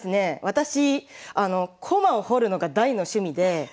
私駒を彫るのが大の趣味で。